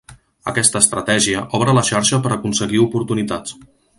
Aquesta estratègia obre la xarxa per aconseguir oportunitats.